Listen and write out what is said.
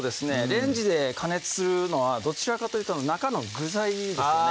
レンジで加熱するのはどちらかというと中の具材ですよね